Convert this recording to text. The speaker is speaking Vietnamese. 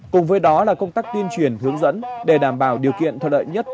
cùng với đó là công tác tuyên truyền hướng dẫn để đảm bảo điều kiện thuật đợi nhất